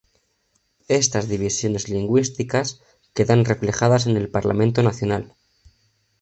Estas divisiones lingüísticas quedan reflejadas en el Parlamento nacional.